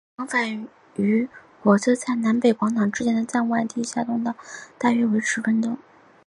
往返于火车站南北广场之间的站外地下通道步行时间大约为十分钟。